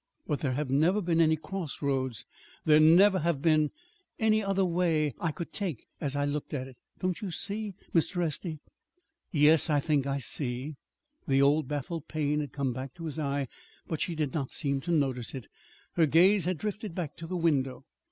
But there have never been any crossroads there's never been any other way I could take, as I looked at it. Don't you see, Mr. Estey?" "Yes, I think I see." The old baffled pain had come back to his eyes, but she did not seem to notice it. Her gaze had drifted back to the window.